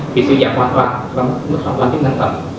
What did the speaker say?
vì xuyên giảm hoàn toàn mức không đáng chức năng thần